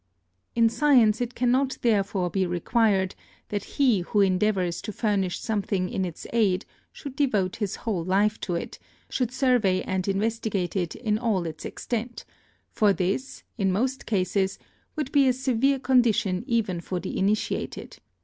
In science it cannot therefore be required, that he who endeavours to furnish something in its aid should devote his whole life to it, should survey and investigate it in all its extent; for this, in most cases, would be a severe condition even for the initiated.